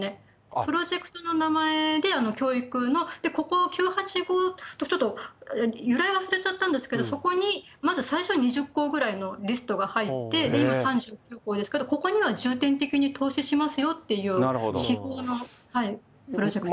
プロジェクトの名前で教育の、ここ、９８５、ちょっと由来忘れちゃったんですけれども、そこにまず最初、２０校ぐらいのリストが入って、今３９校ですけど、ここには重点的に投資しますよっていう手法のプロジェクト。